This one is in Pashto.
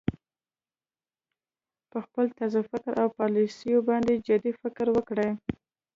په خپل طرز تفکر او پالیسیو باندې جدي فکر وکړي